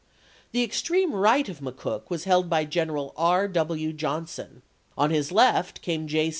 The extreme right of McCook was held by Greneral R. W. Johnson; on his left came J.